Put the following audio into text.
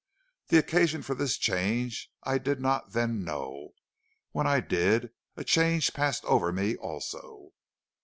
The occasion for this change I did not then know; when I did, a change passed over me also.